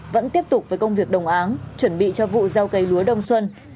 vẫn tiếp tục với công việc đồng áng chuẩn bị cho vụ gieo cấy lúa đông xuân